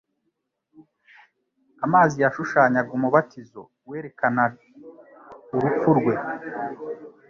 Amazi yashushanyaga umubatizo werekana urupfu rwe,